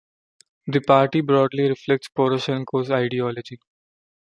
The party broadly reflects Poroshenko's ideology.